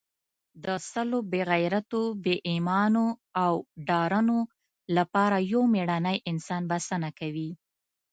د سلو بې غیرتو، بې ایمانو او ډارنو لپاره یو مېړنی انسان بسنه کوي.